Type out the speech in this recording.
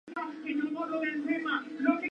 Ese mismo año se fue al Ben Hur de Rafaela.